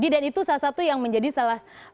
dan itu salah satu yang menjadi salah satu perubahan